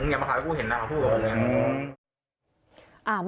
อย่ามาค้าไปคู่เห็นด้านเขาพูดกับผม